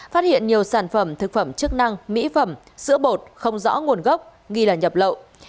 phát hiện nhiều sản phẩm thực phẩm chức năng mỹ phẩm sữa bột không rõ nguồn gốc nghi là nhập lậu